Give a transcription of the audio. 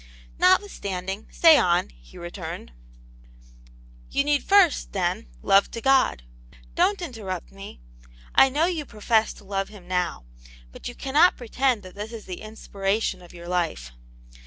" Notwithstanding, say on," he returned. .You need first, then, love to God. Don't inter rupt me ; I know you profess to love Him now. But you cannot pretend that this is the inspiration of your life."